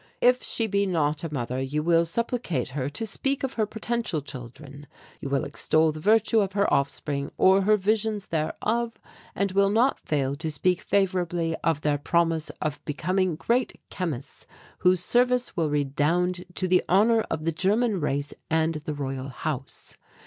If she be not a mother, you will supplicate her to speak of her potential children. You will extol the virtue of her offspring or her visions thereof, and will not fail to speak favourably of their promise of becoming great chemists whose service will redound to the honour of the German race and the Royal House.